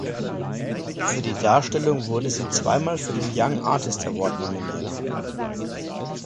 Für die Darstellung wurde sie zweimal für den Young Artist Award nominiert.